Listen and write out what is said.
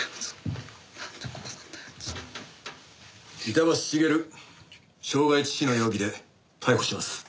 板橋茂傷害致死の容疑で逮捕します。